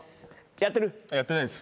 やってないです。